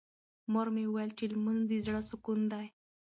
مور مې وویل چې لمونځ د زړه سکون دی.